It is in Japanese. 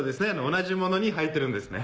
同じものに入ってるんですね